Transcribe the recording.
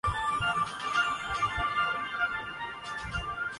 ان راہوں پہ چل نکلے۔